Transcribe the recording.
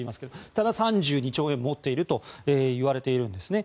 ただ、３２兆円持っていると言われているんですね。